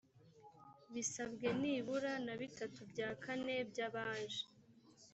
bisabwe nibura na bitatu bya kane by abaje